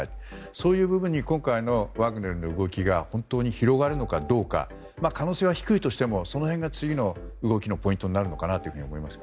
そういう部分にワグネルの動きが広がるのかどうか可能性は低いとしてもその辺が次の動きのポイントになると思います。